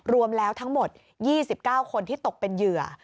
รวมแล้วทั้งหมด๒๙คนที่ตกเป็นเหยื่อ